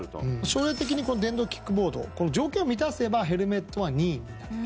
将来的にこの電動キックボード条件を満たせばヘルメットは任意になるという形に。